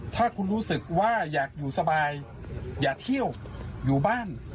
ถ้าคุณรู้สึกว่าอยากอยู่สบายอยากเที่ยวอยู่บ้าน